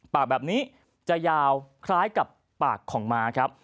ปากแบบนี้จะยาวคล้ายกับปากของม้าครับ